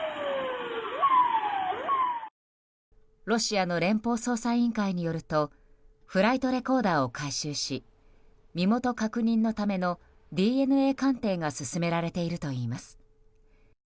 ロシアの連邦捜査委員会によるとフライトレコーダーを回収し身元確認のためのＤＮＡ鑑定が進められているといいます。